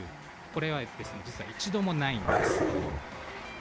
これは実は一度もないんです。